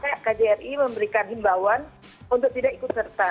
kita jelas kayak kjri memberikan himbawan untuk tidak ikut serta